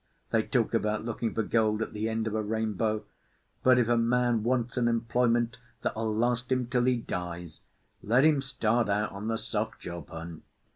They talk about looking for gold at the end of a rainbow; but if a man wants an employment that'll last him till he dies, let him start out on the soft job hunt.